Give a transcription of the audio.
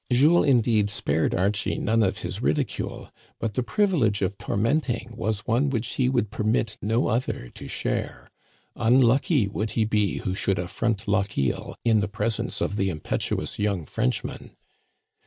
Jules, indeed, spared Archie none of his ridicule, but the privilege of tormenting was one which he would per mit no other to share. Unlucky would he be who should affront Lochiel in the presence of the impetuous young Frenchman